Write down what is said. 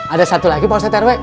ada satu lagi pak ustadz rw